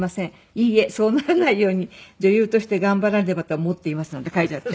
「いいえそうならないように女優として頑張らねばと思っています」なんて書いちゃって。